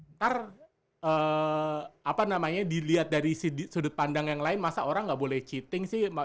ntar apa namanya dilihat dari sudut pandang yang lain masa orang nggak boleh cheating sih